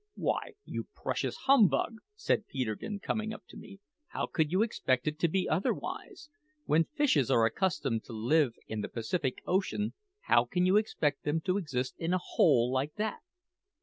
"Why, you precious humbug!" said Peterkin, coming up to me, "how could you expect it to be otherwise? When fishes are accustomed to live in the Pacific Ocean, how can you expect them to exist in a hole like that?"